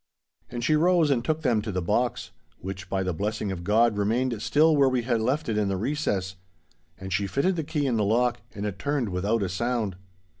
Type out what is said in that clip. And she rose and took them to the box—which, by the blessing of God remained still where we had left it in the recess—and she fitted the key in the lock, and it turned without a sound.